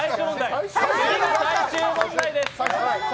では、最終問題です。